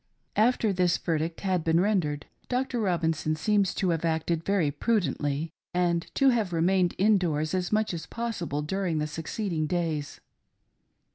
After this verdict had been rendered, Dr. Robinson seems to have acted very prudently, and to have remained in doors as much as possible during the succeeding days.